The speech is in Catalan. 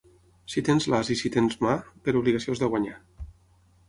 Si tens l'as i si tens mà, per obligació has de guanyar.